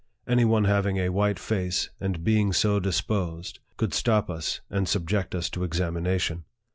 Any one having a white face, and being so disposed, could stop us, and subject us to examination.